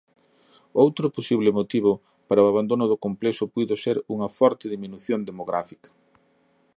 Outro posible motivo para o abandono do complexo puido ser unha forte diminución demográfica.